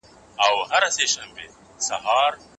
شاګرد خپله څېړنه بشپړه کړې ده.